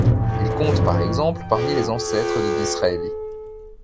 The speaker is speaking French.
Ils comptent par exemple parmi les ancêtres de Disraëli.